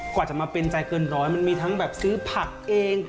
กว่าจะมาเป็นใจเกินร้อยมันมีทั้งแบบซื้อผักเอง